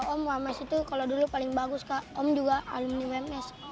om ums itu kalau dulu paling bagus ke om juga alumni ums